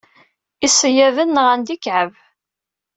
Iseyyaḍen nɣan-d ikɛeb.